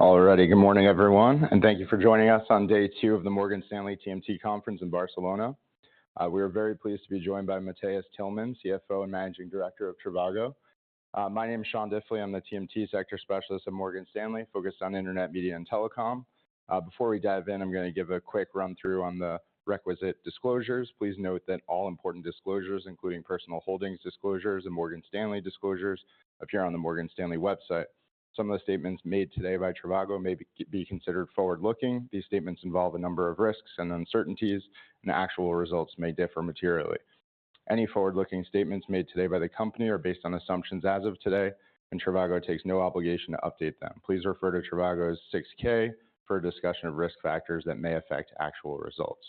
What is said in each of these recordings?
All right. Good morning, everyone, and thank you for joining us on day two of the Morgan Stanley TMT Conference in Barcelona. We are very pleased to be joined by Matthias Tillmann, CFO and Managing Director of trivago. My name is Sean Diffley. I'm the TMT Sector Specialist at Morgan Stanley, focused on Internet, Media, and Telecom. Before we dive in, I'm gonna give a quick run-through on the requisite disclosures. Please note that all important disclosures, including personal holdings disclosures and Morgan Stanley disclosures, appear on the Morgan Stanley website. Some of the statements made today by trivago may be considered forward-looking. These statements involve a number of risks and uncertainties, and actual results may differ materially. Any forward-looking statements made today by the company are based on assumptions as of today, and trivago takes no obligation to update them. Please refer to trivago's 6-K for a discussion of risk factors that may affect actual results.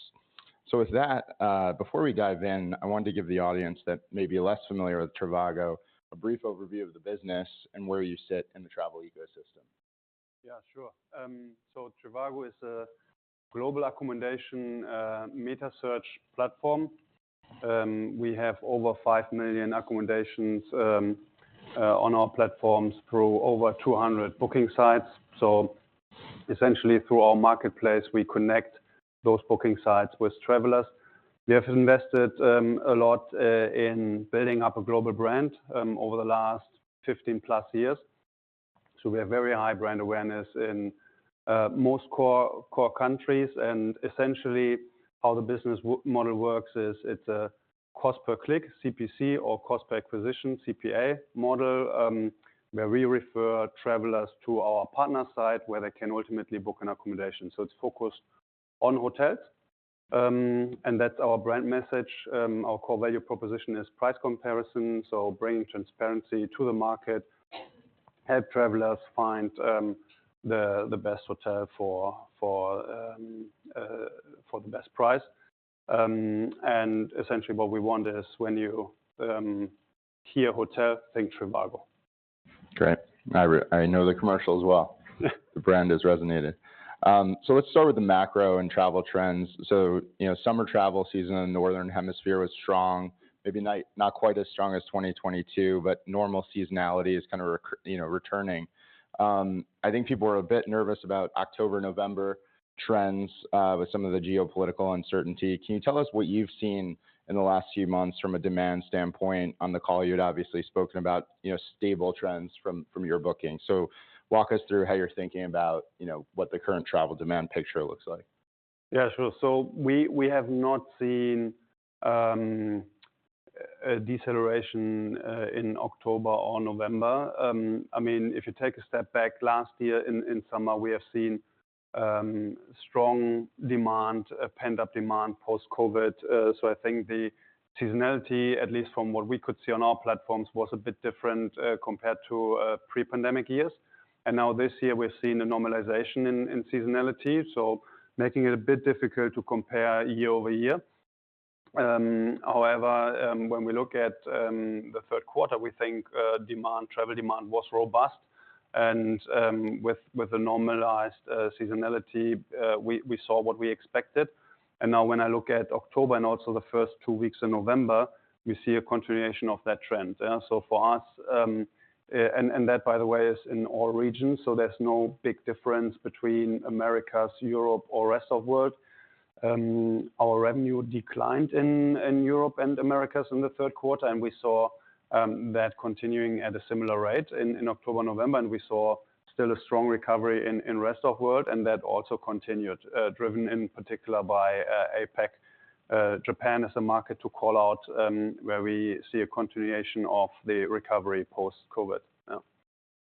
So, with that, before we dive in, I wanted to give the audience that may be less familiar with trivago, a brief overview of the business and where you sit in the travel ecosystem. Yeah, sure. So trivago is a global accommodation metasearch platform. We have over 5 million accommodations on our platforms through over 200 booking sites. So essentially, through our marketplace, we connect those booking sites with travelers. We have invested a lot in building up a global brand over the last 15+ years, so we have very high brand awareness in most core countries. And essentially, how the business model works is, it's a cost-per-click, CPC, or cost-per-acquisition, CPA, model, where we refer travelers to our partner site, where they can ultimately book an accommodation. So, it's focused on hotels, and that's our brand message. Our core value proposition is price comparison, so bringing transparency to the market, help travelers find the best hotel for the best price. Essentially what we want is when you hear hotel, think Trivago. Great. I know the commercials well. The brand has resonated. So, let's start with the macro and travel trends. So, you know, summer travel season in the Northern Hemisphere was strong, maybe not quite as strong as 2022, but normal seasonality is kinda returning. You know, I think people were a bit nervous about October, November trends, with some of the geopolitical uncertainty. Can you tell us what you've seen in the last few months from a demand standpoint? On the call, you had obviously spoken about, you know, stable trends from your bookings. So, walk us through how you're thinking about, you know, what the current travel demand picture looks like. Yeah, sure. So, we have not seen a deceleration in October or November. I mean, if you take a step back, last year in summer, we have seen strong demand, pent-up demand post-COVID. So, I think the seasonality, at least from what we could see on our platforms, was a bit different compared to pre-pandemic years. And now this year, we're seeing a normalization in seasonality, so making it a bit difficult to compare year-over-year. However, when we look at the third quarter, we think demand, travel demand was robust, and with a normalized seasonality, we saw what we expected. And now when I look at October and also the first two weeks of November, we see a continuation of that trend. Yeah, so for us... And that, by the way, is in all regions, so there's no big difference between Americas, Europe, or Rest of World. Our revenue declined in Europe and Americas in the third quarter, and we saw that continuing at a similar rate in October, November, and we saw still a strong recovery in Rest of World, and that also continued, driven in particular by APAC. Japan is a market to call out, where we see a continuation of the recovery post-COVID. Yeah.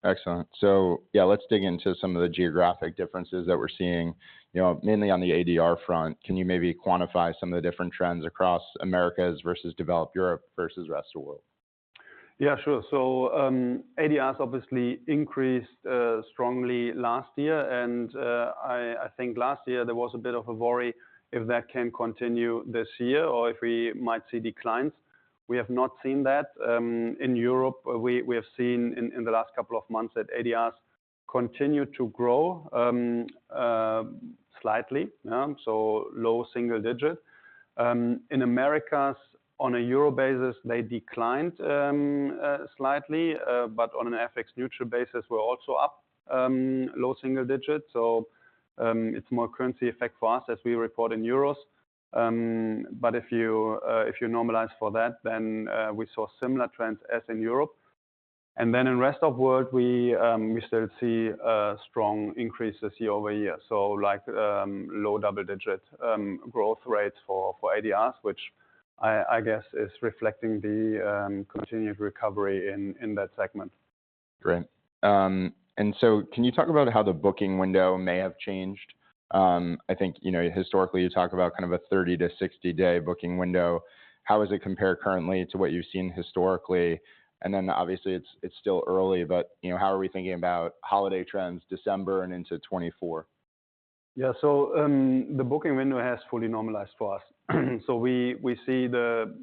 Excellent. So yeah, let's dig into some of the geographic differences that we're seeing, you know, mainly on the ADR front. Can you maybe quantify some of the different trends across Americas versus Developed Europe versus Rest of World? Yeah, sure. So, ADRs obviously increased strongly last year, and I think last year there was a bit of a worry if that can continue this year or if we might see declines. We have not seen that. In Europe, we have seen in the last couple of months that ADRs continue to grow slightly, so low single digit. In Americas, on a euro basis, they declined slightly, but on an FX-neutral basis, we're also up low single digits. So, it's more currency effect for us as we report in euros. But if you normalize for that, then we saw similar trends as in Europe. In Rest of World, we still see a strong increase this year-over-year, so like, low double-digit growth rate for ADRs, which I guess is reflecting the continued recovery in that segment. Great. And so, can you talk about how the booking window may have changed? I think, you know, historically, you talk about kind of a 30-to-60-day booking window. How does it compare currently to what you've seen historically? And then obviously, it's still early, but, you know, how are we thinking about holiday trends, December and into 2024? Yeah. So, the booking window has fully normalized for us. So, we see the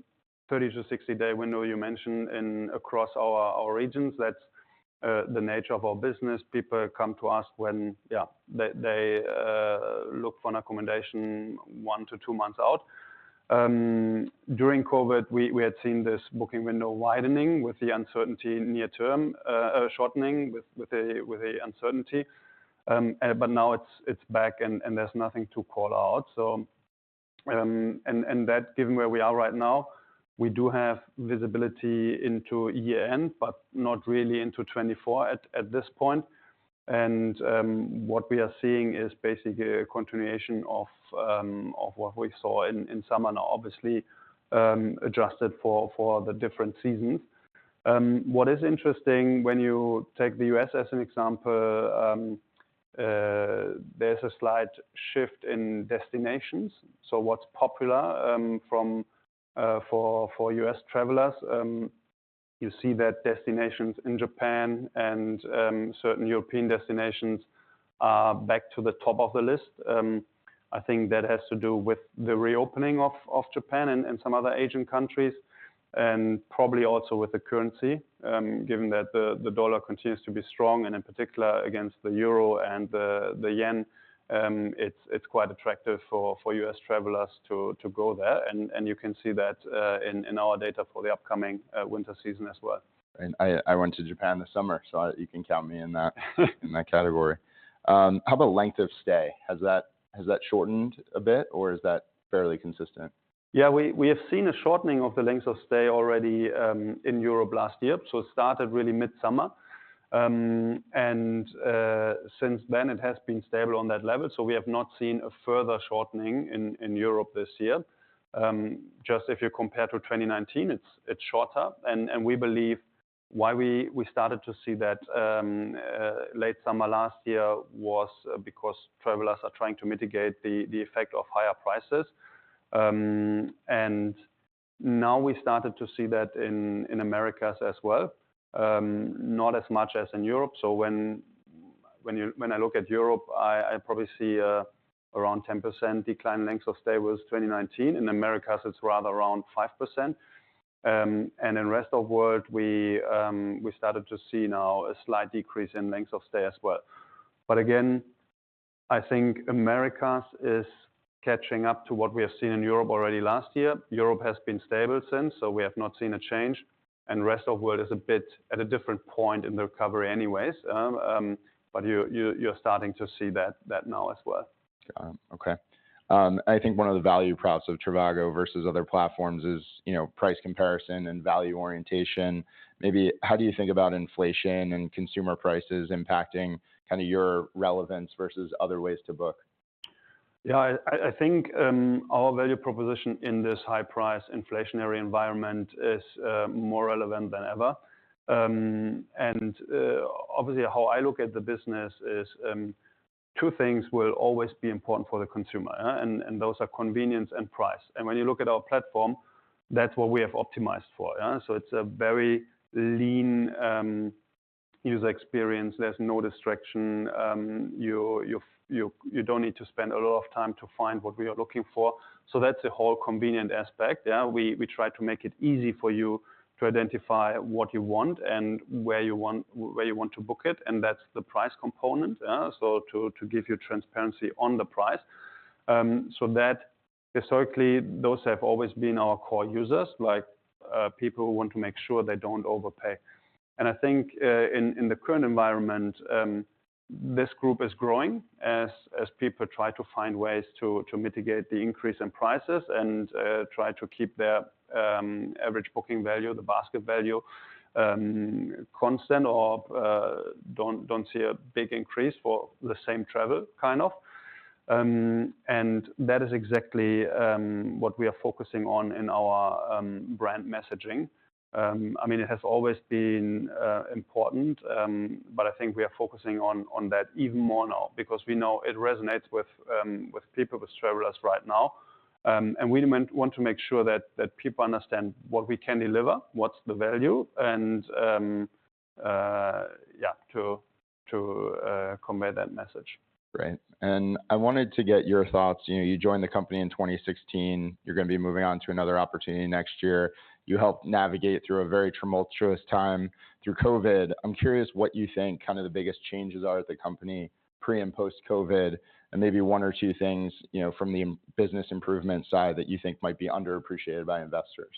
30-to-60-day window you mentioned across our regions. That's the nature of our business. People come to us when, yeah, they look for an accommodation one to two months out... During COVID, we had seen this booking window widening with the uncertainty near term, shortening with the uncertainty. But now it's back and there's nothing to call out. So, and that, given where we are right now, we do have visibility into year-end, but not really into 2024 at this point. And what we are seeing is basically a continuation of what we saw in summer, obviously, adjusted for the different seasons. What is interesting, when you take the US as an example, there's a slight shift in destinations. So what's popular for US travelers, you see that destinations in Japan and certain European destinations are back to the top of the list. I think that has to do with the reopening of Japan and some other Asian countries, and probably also with the currency. Given that the US dollar continues to be strong, and in particular, against the euro and the yen, it's quite attractive for US travelers to go there, and you can see that in our data for the upcoming winter season as well. I went to Japan this summer, so you can count me in that category. How about length of stay? Has that shortened a bit, or is that fairly consistent? Yeah, we have seen a shortening of the length of stay already in Europe last year, so it started really mid-summer. And since then, it has been stable on that level, so we have not seen a further shortening in Europe this year. Just if you compared to 2019, it's shorter. And we believe why we started to see that late summer last year was because travelers are trying to mitigate the effect of higher prices. And now we started to see that in Americas as well. Not as much as in Europe. So, when I look at Europe, I probably see around 10% decline in length of stay versus 2019. In Americas, it's rather around 5%. And in Rest of World, we started to see now a slight decrease in length of stay as well. But again, I think Americas is catching up to what we have seen in Europe already last year. Europe has been stable since, so we have not seen a change, and Rest of World is a bit at a different point in the recovery anyways. But you're starting to see that now as well. Okay. I think one of the value props of trivago versus other platforms is, you know, price comparison and value orientation. Maybe how do you think about inflation and consumer prices impacting kinda your relevance versus other ways to book? Yeah, I think our value proposition in this high-price inflationary environment is more relevant than ever. And obviously, how I look at the business is two things will always be important for the consumer, and those are convenience and price. And when you look at our platform, that's what we have optimized for, yeah? So, it's a very lean user experience. There's no distraction. You don't need to spend a lot of time to find what we are looking for. So that's the whole convenient aspect, yeah? We try to make it easy for you to identify what you want and where you want to book it, and that's the price component, so to give you transparency on the price. So that historically, those have always been our core users, like, people who want to make sure they don't overpay. And I think, in the current environment, this group is growing as people try to find ways to mitigate the increase in prices and try to keep their average booking value, the basket value, constant or don't see a big increase for the same travel, kind of. And that is exactly what we are focusing on in our brand messaging. I mean, it has always been important, but I think we are focusing on that even more now because we know it resonates with people, with travelers right now. And we want to make sure that people understand what we can deliver, what's the value, and yeah, to convey that message. Great. I wanted to get your thoughts. You know, you joined the company in 2016. You're gonna be moving on to another opportunity next year. You helped navigate through a very tumultuous time through COVID. I'm curious what you think kind of the biggest changes are at the company pre- and post-COVID, and maybe one or two things, you know, from the business improvement side that you think might be underappreciated by investors.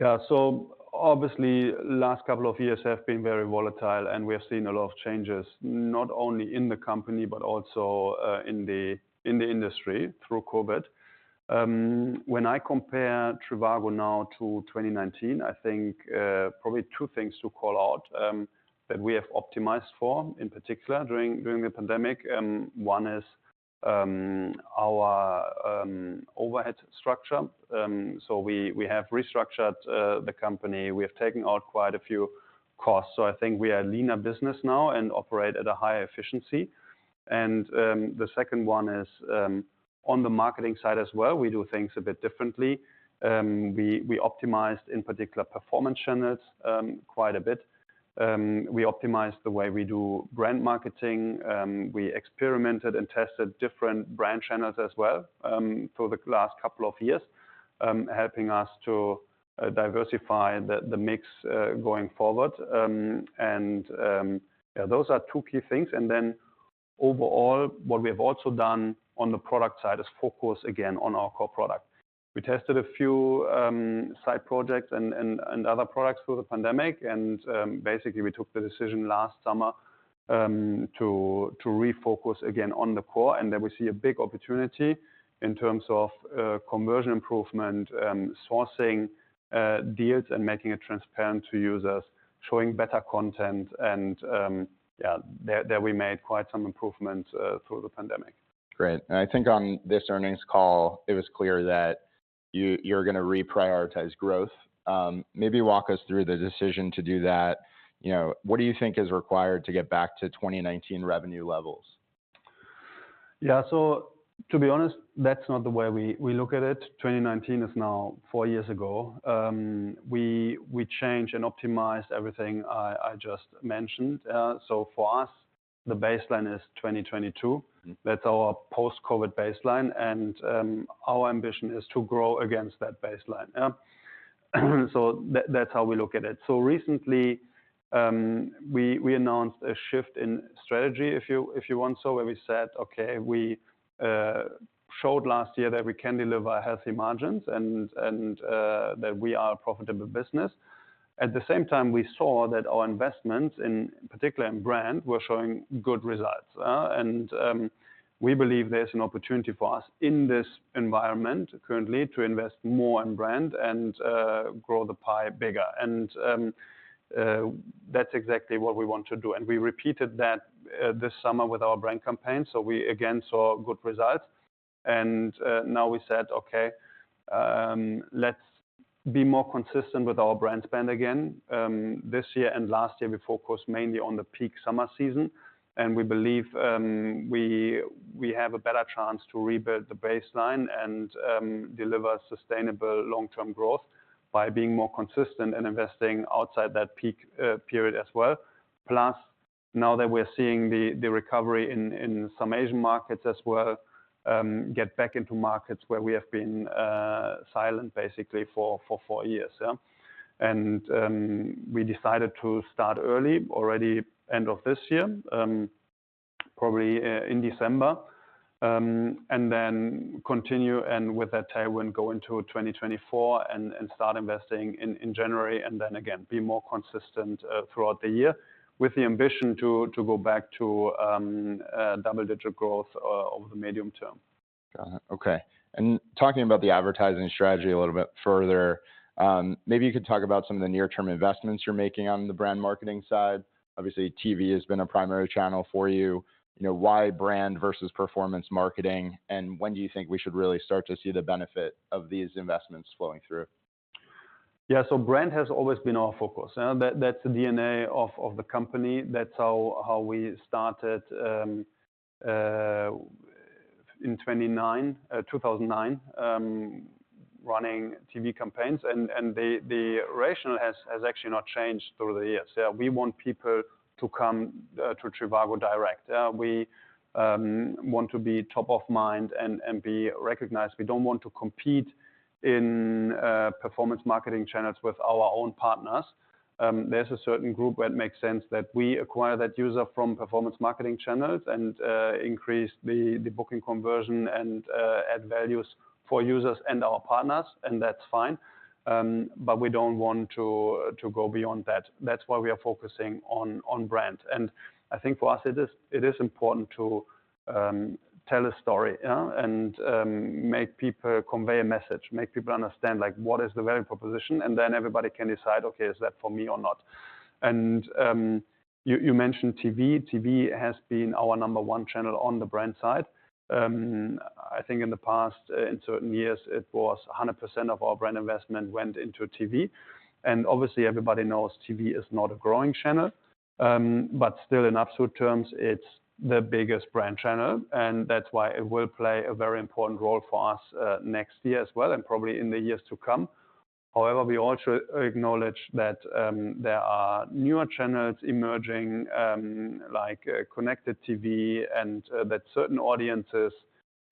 Yeah. So obviously, the last couple of years have been very volatile, and we have seen a lot of changes, not only in the company, but also in the industry through COVID. When I compare trivago now to 2019, I think probably two things to call out that we have optimized for, in particular, during the pandemic. One is our overhead structure. So, we have restructured the company. We have taken out quite a few costs, so I think we are a leaner business now and operate at a higher efficiency. And the second one is on the marketing side as well; we do things a bit differently. We optimized, in particular, performance channels quite a bit. We optimized the way we do brand marketing. We experimented and tested different brand channels as well through the last couple of years, helping us to diversify the mix going forward. Yeah, those are two key things. And then overall, what we have also done on the product side is focus again on our core product. We tested a few side projects and other products through the pandemic, and basically, we took the decision last summer to refocus again on the core, and there we see a big opportunity in terms of conversion improvement, sourcing deals, and making it transparent to users, showing better content and yeah, there we made quite some improvement through the pandemic. Great. I think on this earnings call, it was clear that you're gonna reprioritize growth. Maybe walk us through the decision to do that. You know, what do you think is required to get back to 2019 revenue levels? Yeah. So, to be honest, that's not the way we look at it. 2019 is now four years ago. We changed and optimized everything I just mentioned. So, for us, the baseline is 2022. Mm. That's our post-COVID baseline, and our ambition is to grow against that baseline. Yeah. So that's how we look at it. So recently, we announced a shift in strategy, if you want so, where we said, "Okay, we showed last year that we can deliver healthy margins and that we are a profitable business." At the same time, we saw that our investments, in particular in brand, were showing good results, and we believe there's an opportunity for us in this environment currently to invest more in brand and grow the pie bigger. And that's exactly what we want to do, and we repeated that this summer with our brand campaign, so we again saw good results. And, now we said, "Okay, let's be more consistent with our brand spend again." This year and last year, we focused mainly on the peak summer season, and we believe, we have a better chance to rebuild the baseline and, deliver sustainable long-term growth by being more consistent in investing outside that peak, period as well. Plus, now that we're seeing the recovery in some Asian markets as well, get back into markets where we have been, silent basically for four years. Yeah. We decided to start early, already end of this year, probably in December, and then continue and with that tailwind, go into 2024 and start investing in January, and then again, be more consistent throughout the year, with the ambition to go back to double-digit growth over the medium term. Got it. Okay. Talking about the advertising strategy a little bit further, maybe you could talk about some of the near-term investments you're making on the brand marketing side. Obviously, TV has been a primary channel for you. You know, why brand versus performance marketing? And when do you think we should really start to see the benefit of these investments flowing through? Yeah. So, brand has always been our focus. That's the DNA of the company. That's how we started in 2009 running TV campaigns, and the rationale has actually not changed through the years. Yeah, we want people to come to trivago direct. We want to be top of mind and be recognized. We don't want to compete in performance marketing channels with our own partners. There's a certain group where it makes sense that we acquire that user from performance marketing channels and increase the booking conversion and add values for users and our partners, and that's fine. But we don't want to go beyond that. That's why we are focusing on brand. I think for us, it is important to tell a story, yeah, and make people convey a message, make people understand, like, what is the value proposition, and then everybody can decide, "Okay, is that for me or not?" You mentioned TV. TV has been our number one channel on the brand side. I think in the past, in certain years, it was 100% of our brand investment went into TV. And obviously, everybody knows TV is not a growing channel, but still, in absolute terms, it's the biggest brand channel, and that's why it will play a very important role for us, next year as well, and probably in the years to come. However, we also acknowledge that there are newer channels emerging, like Connected TV, and that certain audiences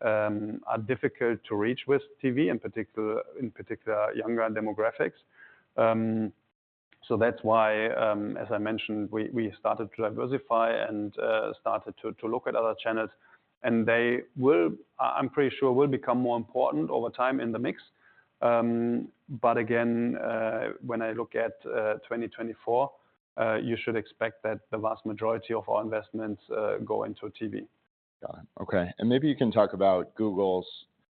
are difficult to reach with TV, in particular, younger demographics. So that's why, as I mentioned, we started to diversify and started to look at other channels, and they will, I'm pretty sure, become more important over time in the mix. But again, when I look at 2024, you should expect that the vast majority of our investments go into TV. Got it. Okay, and maybe you can talk about Google's,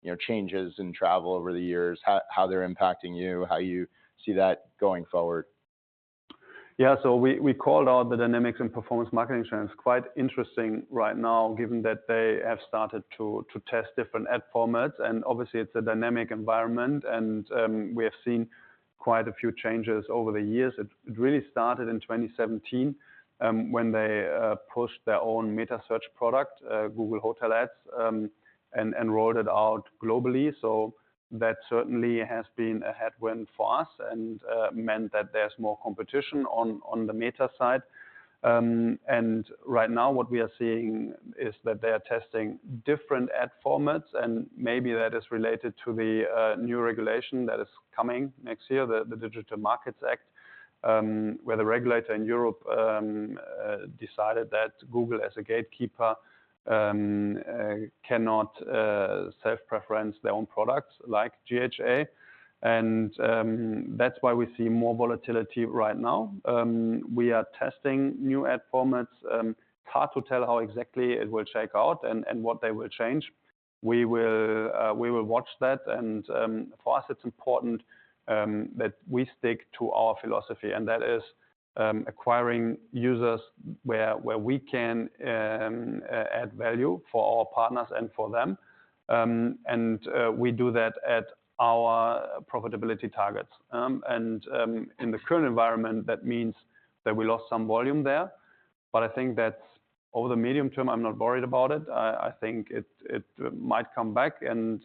you know, changes in travel over the years, how they're impacting you, how you see that going forward. Yeah. So, we called out the dynamics in performance marketing channels. Quite interesting right now, given that they have started to test different ad formats, and obviously, it's a dynamic environment, and we have seen quite a few changes over the years. It really started in 2017, when they pushed their own metasearch product, Google Hotel Ads, and rolled it out globally. So that certainly has been a headwind for us and meant that there's more competition on the meta side. And right now, what we are seeing is that they are testing different ad formats, and maybe that is related to the new regulation that is coming next year, the Digital Markets Act, where the regulator in Europe decided that Google, as a gatekeeper, cannot self-preference their own products like GHA. And that's why we see more volatility right now. We are testing new ad formats. Hard to tell how exactly it will shake out and what they will change. We will watch that, and for us, it's important that we stick to our philosophy, and that is acquiring users where we can add value for our partners and for them. And we do that at our profitability targets. In the current environment, that means that we lost some volume there, but I think that over the medium term, I'm not worried about it. I think it might come back, and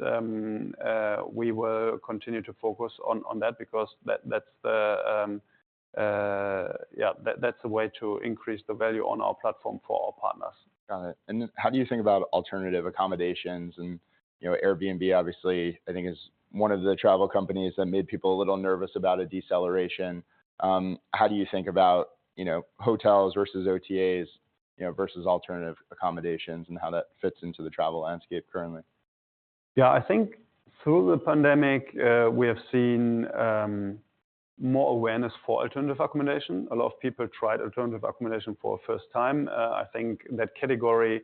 we will continue to focus on that because that's the, yeah, that's the way to increase the value on our platform for our partners. Got it. And how do you think about alternative accommodations? And, you know, Airbnb, obviously, I think is one of the travel companies that made people a little nervous about a deceleration. How do you think about, you know, hotels versus OTAs, you know, versus alternative accommodations and how that fits into the travel landscape currently? Yeah, I think through the pandemic, we have seen more awareness for alternative accommodation. A lot of people tried alternative accommodation for the first time. I think that category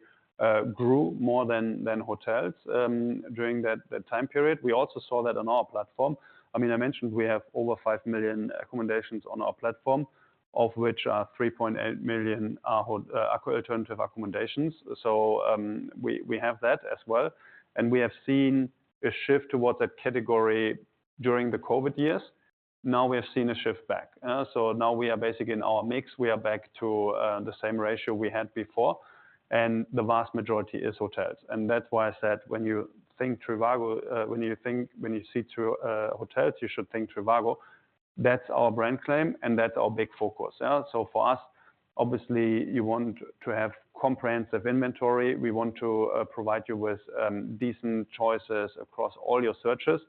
grew more than hotels during that time period. We also saw that on our platform. I mean, I mentioned we have over 5 million accommodations on our platform, of which 3.8 million are alternative accommodations. So, we have that as well, and we have seen a shift towards that category during the COVID years. Now, we have seen a shift back, so now we are basically in our mix. We are back to the same ratio we had before, and the vast majority is hotels. That's why I said, when you think trivago, when you see through hotels, you should think trivago. That's our brand claim, and that's our big focus, yeah? So, for us, obviously, you want to have comprehensive inventory. We want to provide you with decent choices across all your searches.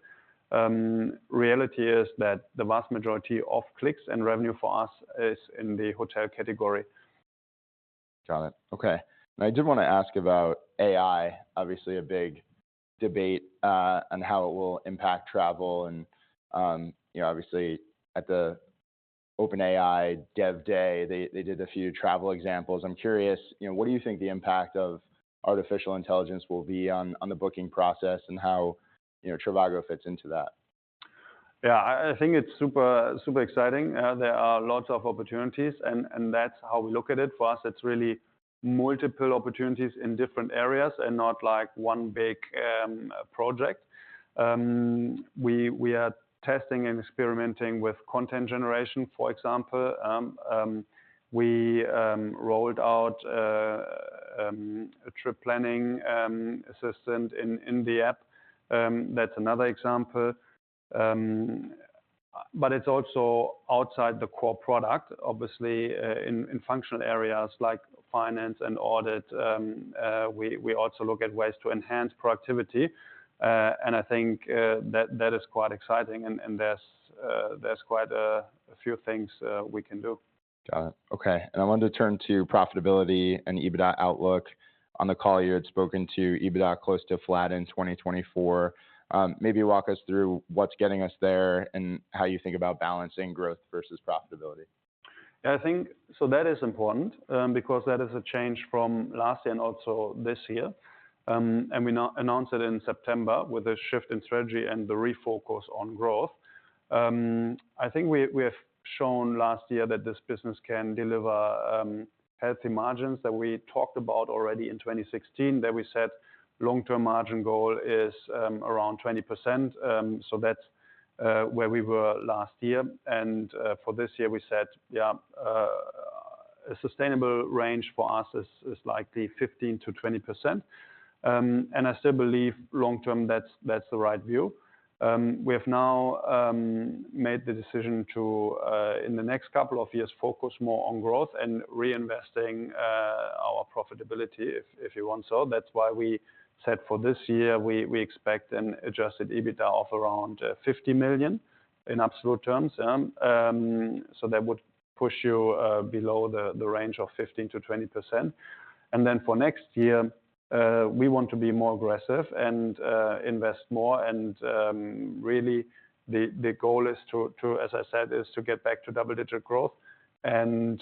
Reality is that the vast majority of clicks and revenue for us is in the hotel category. Got it. Okay. And I did want to ask about AI. Obviously, a big debate on how it will impact travel and, you know, obviously at the OpenAI DevDay, they, they did a few travel examples. I'm curious, you know, what do you think the impact of artificial intelligence will be on, on the booking process and how, you know, Trivago fits into that? Yeah, I think it's super, super exciting. There are lots of opportunities, and that's how we look at it. For us, it's really multiple opportunities in different areas and not like one big project. We are testing and experimenting with content generation. For example, we rolled out a trip planning assistant in the app. That's another example. But it's also outside the core product. Obviously, in functional areas like finance and audit, we also look at ways to enhance productivity, and I think that is quite exciting, and there's quite a few things we can do. Got it. Okay, and I wanted to turn to profitability and EBITDA outlook. On the call, you had spoken to EBITDA close to flat in 2024. Maybe walk us through what's getting us there and how you think about balancing growth versus profitability. Yeah, I think so that is important, because that is a change from last year and also this year. And we announced it in September with a shift in strategy and the refocus on growth. I think we have shown last year that this business can deliver healthy margins that we talked about already in 2016, that we set long-term margin goal is around 20%. So that's where we were last year, and for this year, we said, yeah, a sustainable range for us is likely 15% to 20%. And I still believe long term; that's the right view. We have now made the decision to, in the next couple of years, focus more on growth and reinvesting our profitability, if you want so. That's why we said for this year, we, we expect an Adjusted EBITDA of around 50 million in absolute terms. So that would push you below the, the range of 15% to 20%. And then for next year, we want to be more aggressive and, invest more, and, really, the, the goal is to, to, as I said, is to get back to double-digit growth. On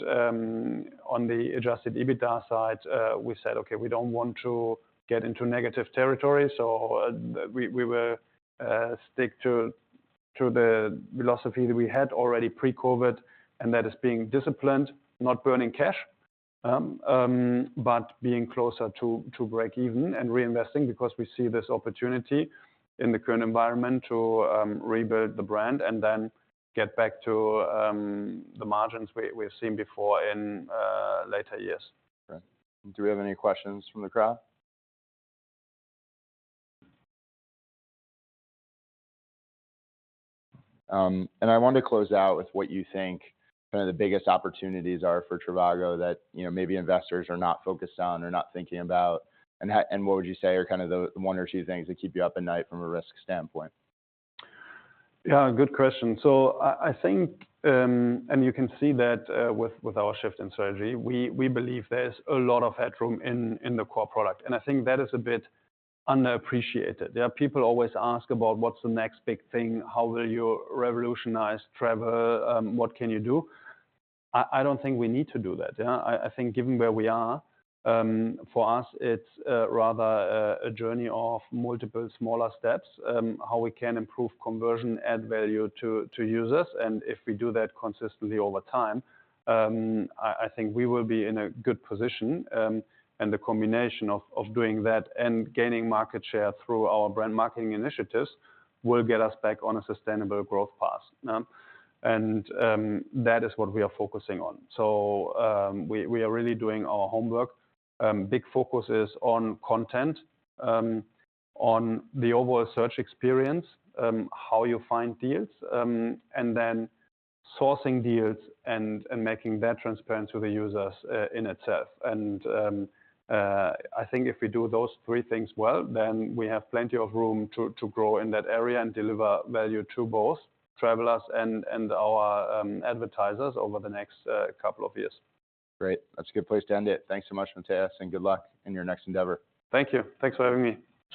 the Adjusted EBITDA side, we said, "Okay, we don't want to get into negative territory," so we will stick to the philosophy that we had already pre-COVID, and that is being disciplined, not burning cash, but being closer to breakeven and reinvesting because we see this opportunity in the current environment to rebuild the brand and then get back to the margins we've seen before in later years. Okay. Do we have any questions from the crowd? And I wanted to close out with what you think are the biggest opportunities are for trivago that, you know, maybe investors are not focused on or not thinking about, and what would you say are kind of the one or two things that keep you up at night from a risk standpoint? Yeah, good question. So, I think, and you can see that, with, with our shift in strategy, we, we believe there's a lot of headroom in, in the core product, and I think that is a bit underappreciated. There are people who always ask about: What's the next big thing? How will you revolutionize travel? What can you do? I don't think we need to do that. Yeah, I think given where we are, for us, it's, rather a, a journey of multiple smaller steps, how we can improve conversion, add value to, to users, and if we do that consistently over time, I think we will be in a good position. And the combination of, of doing that and gaining market share through our brand marketing initiatives will get us back on a sustainable growth path. That is what we are focusing on. So, we are really doing our homework. Big focus is on content, on the overall search experience, how you find deals, and then sourcing deals and making that transparent to the users, in itself. I think if we do those three things well, then we have plenty of room to grow in that area and deliver value to both travelers and our advertisers over the next couple of years. Great. That's a good place to end it. Thanks so much, Matthias, and good luck in your next endeavor. Thank you. Thanks for having me.